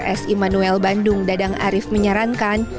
dr gizi rs immanuel bandung dadang arief menyarankan